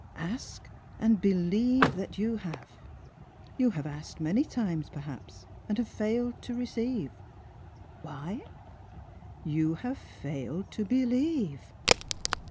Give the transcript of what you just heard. Ask, and believe that you have! You have asked many 21 Tlie TransJigiiratio7i of times, perhaps, and have failed to receive. Why ? You have failed to believe.